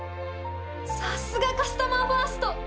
さすがカスタマーファースト！